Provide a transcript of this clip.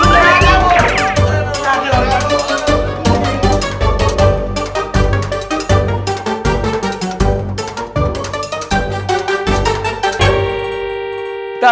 aduh aduh aduh